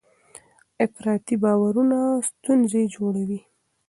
افراطي باورونه ستونزې جوړوي.